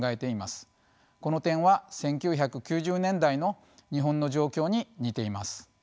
この点は１９９０年代の日本の状況に似ています。